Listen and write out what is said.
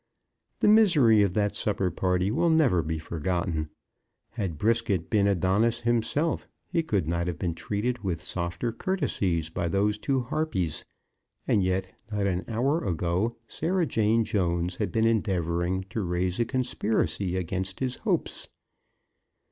The misery of that supper party will never be forgotten. Had Brisket been Adonis himself, he could not have been treated with softer courtesies by those two harpies; and yet, not an hour ago, Sarah Jane Jones had been endeavouring to raise a conspiracy against his hopes.